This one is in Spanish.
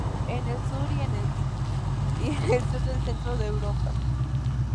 En el sur y en el sur del centro de Europa.